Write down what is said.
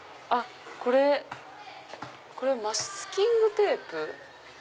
これマスキングテープ？